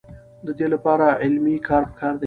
د دې لپاره علمي کار پکار دی.